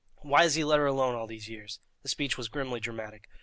Why has he let her alone all these years?" The speech was grimly dramatic.